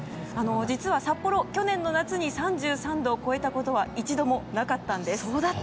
実は札幌、去年の夏に３３度を超えたことは一度もなかったんです。